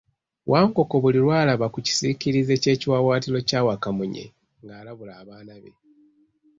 Wankoko buli lw'alaba ku kisiikirize ky'ekiwaawaatiro kya Wakamunye ng'alabula abaana be .